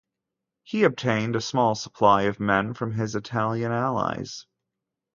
He obtained a small supply of men from his Italian allies.